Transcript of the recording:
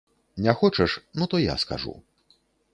Не хочаш, ну, то я скажу.